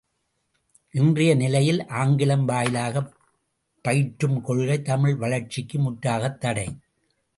இன்றைய நிலையில் ஆங்கிலம் வாயிலாகப் பயிற்றும் கொள்கை தமிழ் வளர்ச்சிக்கு முற்றாகத் தடை.